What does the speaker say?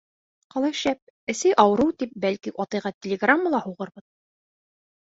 Ҡалай шәп, әсәй ауырыу, тип, бәлки, атайға телеграмма ла һуғырбыҙ?